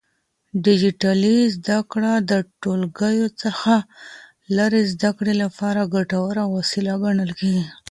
ډيجيټلي زده کړه د ټولګیو څخه لرې زده کړې لپاره ګټوره وسيله ګڼل کېږي.